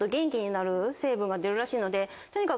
成分が出るらしいのでとにかく。